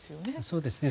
そうですね。